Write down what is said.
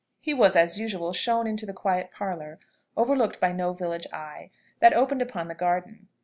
He was, as usual, shown into the quiet parlour, overlooked by no village eye, that opened upon the garden.